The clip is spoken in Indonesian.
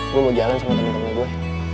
gue mau jalan sama temen temen gue